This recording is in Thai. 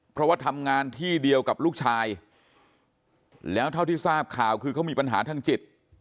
เพราะว่าทำงานที่เดียวกับลูกชายแล้วเท่าที่ทราบข่าวคือเขามีปัญหาทางจิต